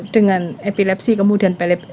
dengan epilepsi kemudian pelep